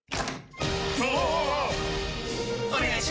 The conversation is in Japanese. お願いします！！！